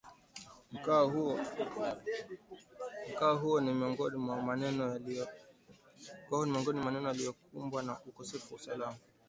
Mkoa huo ni miongoni mwa maeneo yaliyokumbwa na ukosefu wa usalama